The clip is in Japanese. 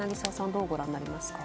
どうご覧になりますか。